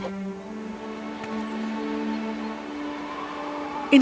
satu lagi selamat bersenang senang